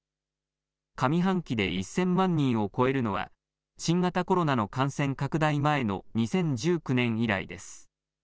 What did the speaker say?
上半期で１０００万人を超えるのは新型コロナの感染拡大前の２０１９年以来です。